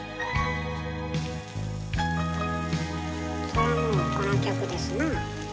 そらもうこの曲ですなあ。